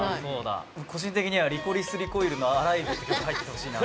個人的には『リコリス・リコイル』の『ＡＬＩＶＥ』って曲入っててほしいな。